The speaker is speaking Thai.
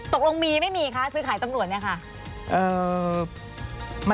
ตกลงมีไม่มีคะซื้อขายตำรวจเนี่ยค่ะ